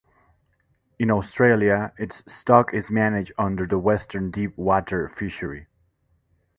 In Australia its stock is managed under the Western Deep Water Fishery.